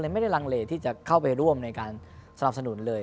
ไม่ได้รังเลที่จะเข้าไปร่วมในการสนับสนุนเลย